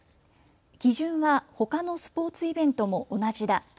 基準はほかのスポーツイベントも同じだ。